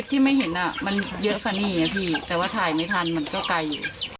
คลิปที่ไม่เห็นอ่ะมันเยอะกันเนี่ยพี่แต่ว่าถ่ายไม่ทันมันก็ไกล